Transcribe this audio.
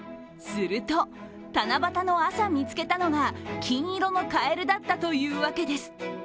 すると、七夕の朝、見つけたのが金色のカエルだったというわけです。